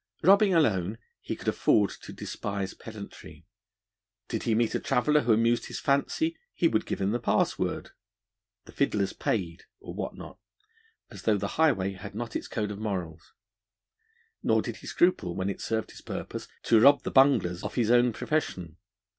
Robbing alone, he could afford to despise pedantry: did he meet a traveller who amused his fancy he would give him the pass word ('the fiddler's paid,' or what not), as though the highway had not its code of morals; nor did he scruple, when it served his purpose, to rob the bunglers of his own profession.